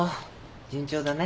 順調だね。